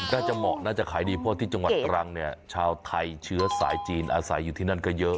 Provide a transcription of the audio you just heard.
เหมาะน่าจะขายดีเพราะที่จังหวัดตรังเนี่ยชาวไทยเชื้อสายจีนอาศัยอยู่ที่นั่นก็เยอะ